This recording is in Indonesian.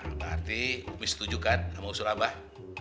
nah berarti umi setuju kan sama surabah